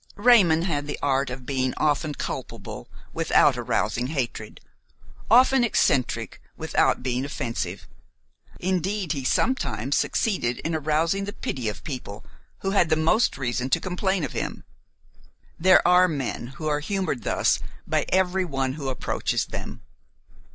Raymon had the art of being often culpable without arousing hatred, often eccentric without being offensive; indeed he sometimes succeeded in arousing the pity of people who had the most reason to complain of him. There are men who are humored thus by every one who approaches them.